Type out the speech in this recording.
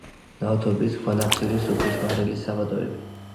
ნავთობის, ქვანახშირის, სუფრის მარილის საბადოები.